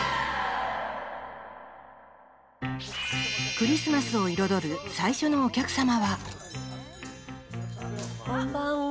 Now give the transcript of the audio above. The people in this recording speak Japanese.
クリスマスを彩る最初のお客様はこんばんは。